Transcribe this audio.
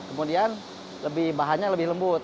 kemudian bahannya lebih lembut